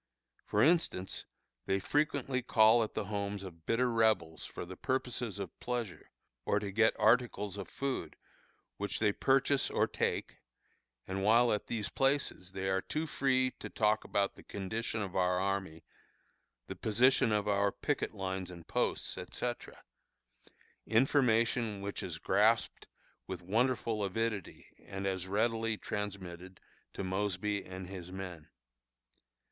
For instance, they frequently call at the homes of bitter Rebels for the purposes of pleasure, or to get articles of food, which they purchase or take, and while at these places they are too free to talk about the condition of our army, the position of our picket lines and posts, etc. information which is grasped with wonderful avidity and as readily transmitted to Mosby and his men.